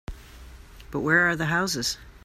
But where are the houses?